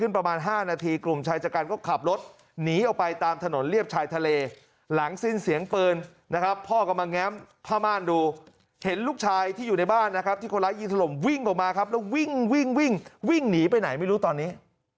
ประมาณดูเห็นลูกชายที่อยู่ในบ้านนะครับที่คนรักยี่สลมวิ่งออกมาครับแล้ววิ่งวิ่งวิ่งวิ่งหนีไปไหนไม่รู้ตอนนี้